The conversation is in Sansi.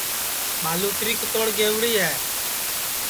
ٻالوتری کِتوڑ گئوڑی ہے